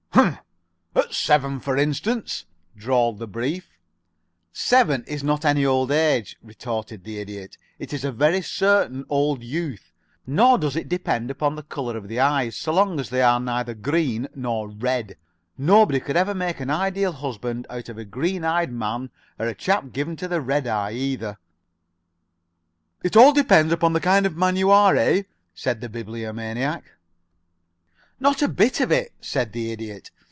"Humph! At seven, for instance?" drawled Mr. Brief. "Seven is not any old age," retorted the Idiot. "It is a very certain old youth. Nor does it depend upon the color of the eyes, so long as they are neither green nor red. Nobody could ever make an Ideal Husband out of a green eyed man, or a chap given to the red eye, either " "It all depends upon the kind of a man you are, eh?" said the Bibliomaniac. "Not a bit of it," said the Idiot.